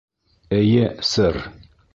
— Эйе, сэр.